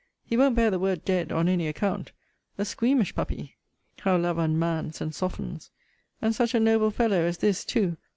He won't bear the word dead on any account. A squeamish puppy! How love unmans and softens! And such a noble fellow as this too!